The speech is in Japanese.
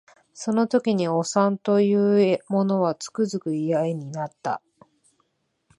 その時におさんと言う者はつくづく嫌になった